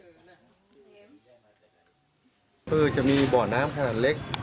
คือจะมีบ่อน้ำขนาดเล็ก